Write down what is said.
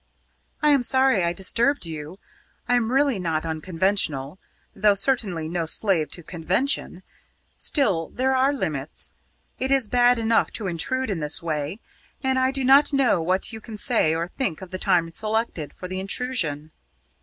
"I am sorry I disturbed you. I am really not unconventional though certainly no slave to convention. Still there are limits ... it is bad enough to intrude in this way, and I do not know what you can say or think of the time selected, for the intrusion."